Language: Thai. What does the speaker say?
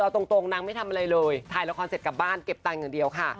เอาตรงนางไม่ทำอะไรเลยถ่ายละครเสร็จกลับบ้านเก็บตังค์อย่างเดียวค่ะ